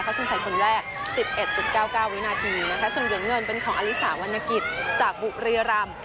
เข้าสินใจคนแรกสิบเอ็ดจุดเก้าเก้าวินาทีนะคะส่วนเหรียญเงินเป็นของอลิสาวัณฑิตจากบุรีรำ